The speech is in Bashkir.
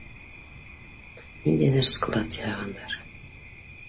Ниндәйҙер склад яһағандар.